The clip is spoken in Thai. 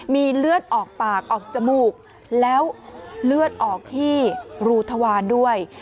มีเลือดออกปากออกจมูกแล้วเลือดออกที่รูทวารด้วย